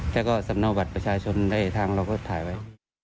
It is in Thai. แล้วก็สำเนาบัตรประชาชนได้ทางเราก็ถ่ายไว้